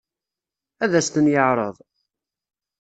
Ad as-ten-yeɛṛeḍ?